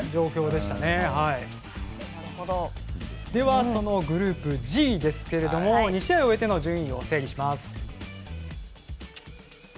では、そのグループＧですけれど２試合を終えての順位を整理します。